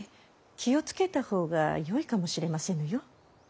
気を付けたほうがよいかもしれませぬよ。